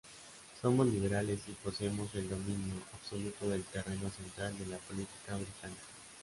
Somos liberales y poseemos el dominio absoluto del terreno central de la política británica.